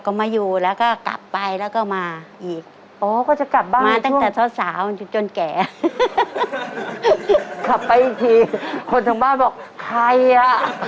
กลับไปอีกทีคนทั้งบ้านบอกใครน่ะ